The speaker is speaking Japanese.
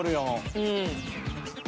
うん。